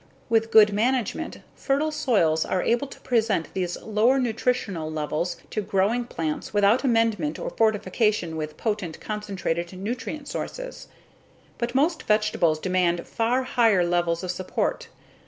With good management, fertile soils are able to present these lower nutritional levels to growing plants without amendment or fortification with potent, concentrated nutrient sources. But most vegetables demand far higher levels of support.